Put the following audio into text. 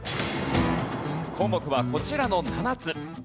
項目はこちらの７つ。